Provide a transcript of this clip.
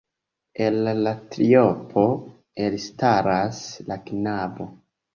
El la triopo elstaras la knabo.